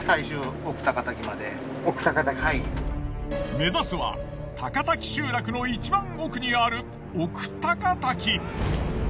目指すは高滝集落の一番奥にある奥高滝。